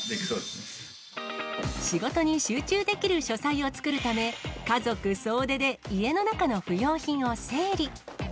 仕事に集中できる書斎を作るため、家族総出で家の中の不要品を整理。